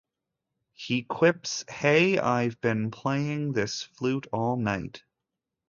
He quips, Hey, I've been playing this flute all night.